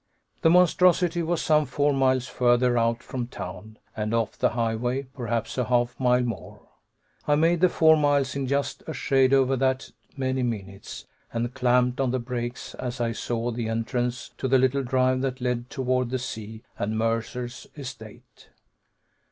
The Monstrosity was some four miles further out from town, and off the highway perhaps a half mile more. I made the four miles in just a shade over that many minutes, and clamped on the brakes as I saw the entrance to the little drive that led toward the sea, and Mercer's estate.